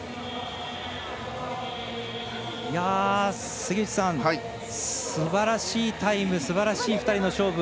杉内さん、すばらしいタイムすばらしい２人の勝負。